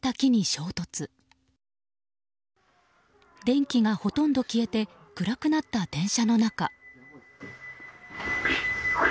電気がほとんど消えて暗くなった電車の中。